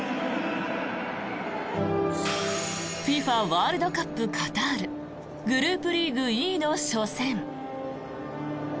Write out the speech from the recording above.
ＦＩＦＡワールドカップカタールグループリーグＥの初戦。